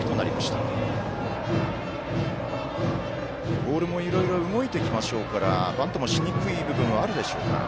ボールもいろいろ動いてきましょうからバントも、しにくい部分はあるでしょうか。